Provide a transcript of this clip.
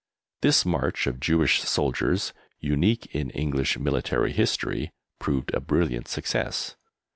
This march of Jewish soldiers, unique in English military history, proved a brilliant success.